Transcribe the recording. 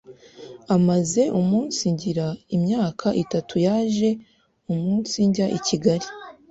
amaze umunsigira imyaka itatu yaje umunsijya i Kigali